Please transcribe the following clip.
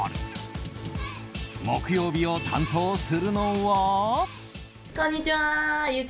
木曜日を担当するのは。